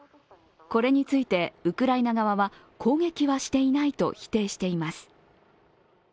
これについてウクライナ側は攻撃はしていないと否定しています。